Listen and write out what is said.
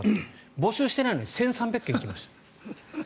募集してないのに１３００件来ました。